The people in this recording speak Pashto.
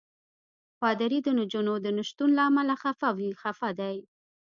پادري د نجونو د نه شتون له امله خفه دی.